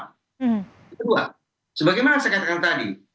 kedua sebagaimana saya katakan tadi